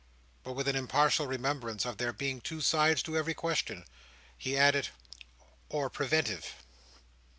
But with an impartial remembrance of there being two sides to every question, he added, "or Preventive."